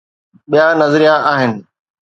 ٻيا نظريا آهن.